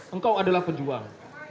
engkau adalah pejuang